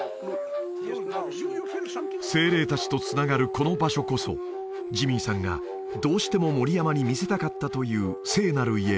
この場所こそジミーさんがどうしても森山に見せたかったという聖なる家